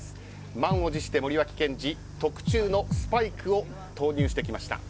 満を持して森脇健児特注のスパイクを投入してきました。